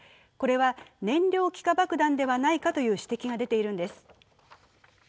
これは燃料気化爆弾ではないかという指摘が出ているんです。